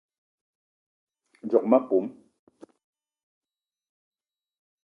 Djock ma pom